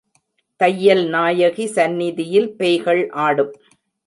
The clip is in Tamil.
தையல்நாயகி சந்நிதியில் பேய்கள் ஆடும்.